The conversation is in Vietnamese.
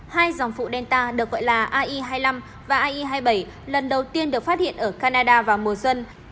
hai dòng vụ delta được gọi là ai hai mươi năm và ai hai mươi bảy lần đầu tiên được phát hiện ở canada vào mùa xuân